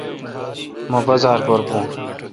مہ بازار پر بھون۔